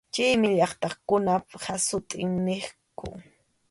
Chaymi llaqtakunap hasut’in niqku.